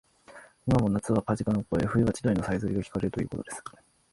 いまも夏はカジカの声、冬は千鳥のさえずりがきかれるということです